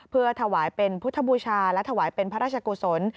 เพื่อถวายเป็นพุทธบูชาและถวายเป็นพระราชกุศล